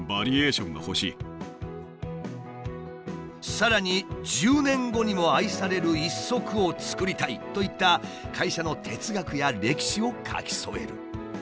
さらに「１０年後にも愛される１足を作りたい」といった会社の哲学や歴史を書き添える。